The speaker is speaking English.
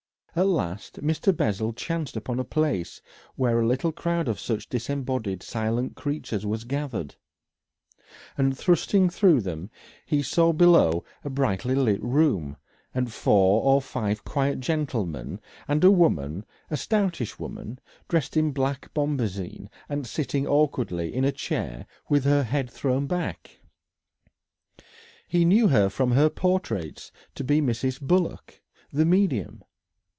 At last Mr. Bessel chanced upon a place where a little crowd of such disembodied silent creatures was gathered, and thrusting through them he saw below a brightly lit room, and four or five quiet gentlemen and a woman, a stoutish woman dressed in black bombazine and sitting awkwardly in a chair with her head thrown back. He knew her from her portraits to be Mrs. Bullock, the medium.